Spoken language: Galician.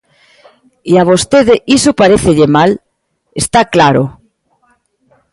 E a vostede iso parécelle mal, está claro.